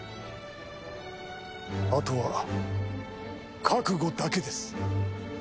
あとは覚悟だけです。